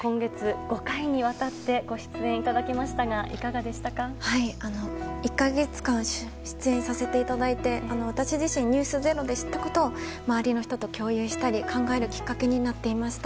５回にわたってご出演いただきましたが１か月間出演させていただいて私自身「ｎｅｗｓｚｅｒｏ」で知ったことを周りの人と共有したり考えるきっかけになっていました。